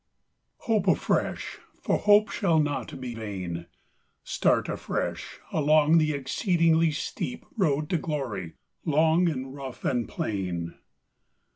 IT OPE afresh, for hope shall not be vain : Start afresh along the exceedingly steep Road to glory, long and rough and plain.